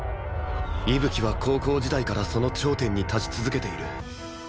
伊吹は高校時代からその頂点に立ち続けている